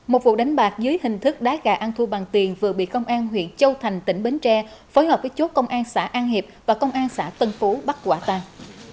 một vụ đánh bạc dưới hình thức đá gà ăn thua bằng tiền vừa bị công an huyện châu thành tỉnh bến tre phối hợp với chốt công an xã an hiệp và công an xã tân phú bắt quả tăng